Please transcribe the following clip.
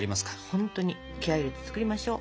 ほんとに気合入れて作りましょう。